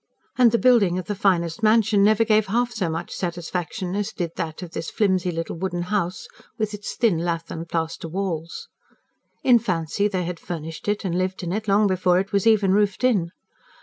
And the building of the finest mansion never gave half so much satisfaction as did that of this flimsy little wooden house, with its thin lath and plaster walls. In fancy they had furnished it and lived in it, long before it was even roofed in.